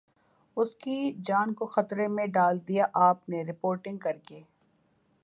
اسکی جان کو خطرے میں ڈال دیا آپ نے رپورٹنگ کر کے